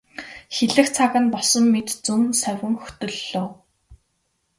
Хэлэх цаг нь болсон мэт зөн совин хөтөллөө.